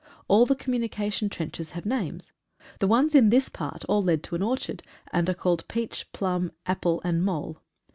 All the com munication trenches have names. The ones in this part all led to an orchard, and are called Peach, Plum, Apple, Mole.